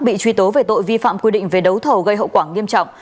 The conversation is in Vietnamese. bị truy tố về tội vi phạm quy định về đấu thầu gây hậu quả nghiêm trọng